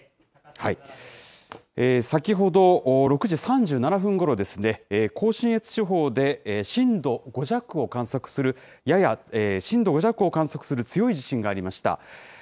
先ほど６時３７分ごろ、甲信越地方で震度５弱を観測する、震度５弱を観測する強い地震がありました。